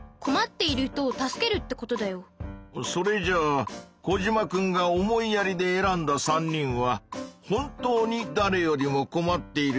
それじゃあコジマくんが「思いやり」で選んだ３人は本当にだれよりもこまっている人たちなんだね？